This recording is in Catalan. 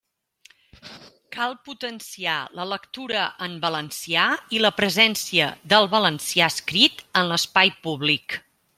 Cal potenciar la lectura en valencià i la presència del valencià escrit en l'espai públic.